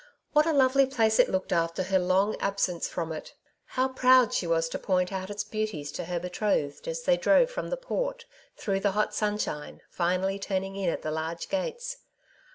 What a lovely place it looked after her long absence from it ! How proud she was to point out its beauties to her betrothed, as they drove from the Port through the hot sunshine, finally turning in at the large gates